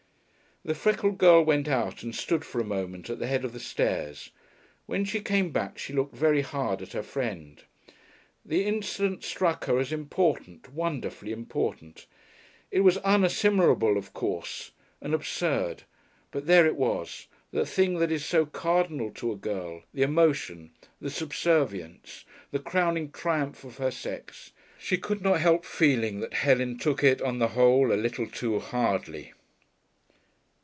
The freckled girl went out and stood for a moment at the head of the stairs. When she came back she looked very hard at her friend. The incident struck her as important wonderfully important. It was unassimilable, of course, and absurd, but there it was, the thing that is so cardinal to a girl, the emotion, the subservience, the crowning triumph of her sex. She could not help feeling that Helen took it, on the whole, a little too hardly.